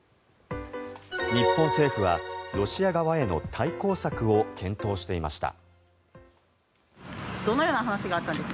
日本政府はロシア側への対抗策を検討していました。